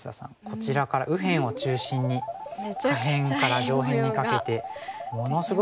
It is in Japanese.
こちらから右辺を中心に下辺から上辺にかけてものすごく広い模様が完成しますよね。